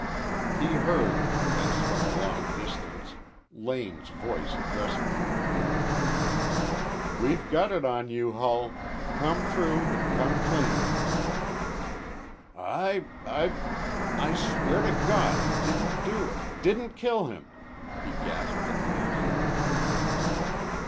He heard, as from a long distance, Lane's voice addressing him. "We've got it on you, Hull. Come through an' come clean." "I I I swear to God I didn't do it didn't kill him," he gasped at last.